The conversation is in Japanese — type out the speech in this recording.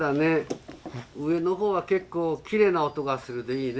上の方は結構きれいな音がするでいいね。